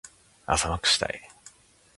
朝マックしたい。